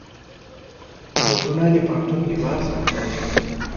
بوټونه د پوهنتون لباس مکملوي.